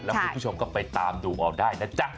แล้วคุณผู้ชมก็ไปตามดูเอาได้นะจ๊ะ